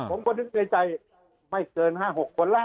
ผมก็นึกในใจไม่เกิน๕๖คนแล้ว